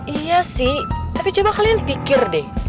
iya sih tapi coba kalian pikir deh